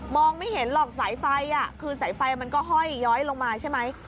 ไม่เห็นหรอกสายไฟคือสายไฟมันก็ห้อยย้อยลงมาใช่ไหม